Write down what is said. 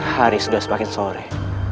hari sudah semakin sore